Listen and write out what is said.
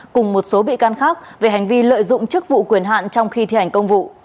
cùng một số bị can khác về hành vi lợi dụng chức vụ quyền hạn trong khi thi hành công vụ